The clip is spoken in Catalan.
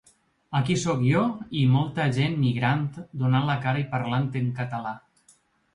Aquí sóc jo i molta gent migrant donant la cara i parlant en català.